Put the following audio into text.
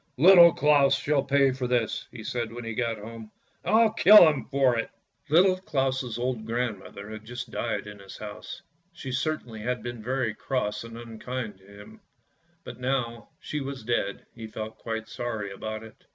" Little Claus shall pay for this! " he said when he got home. "I'll kiU him for it." Little Claus' old grandmother had just died in his house; she certainly had been very cross and unkind to him, but now that she was dead he felt quite sorry about it.